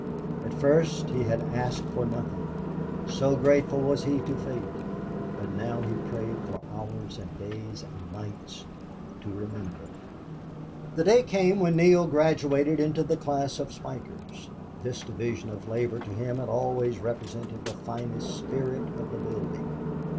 At first he had asked for nothing, so grateful was he to fate, but now he prayed for hours and days and nights to remember. The day came when Neale graduated into the class of spikers. This division of labor to him had always represented the finest spirit of the building.